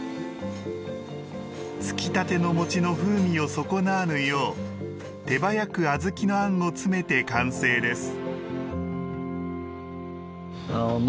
つきたての餅の風味を損なわぬよう手早く小豆のあんを詰めて完成です。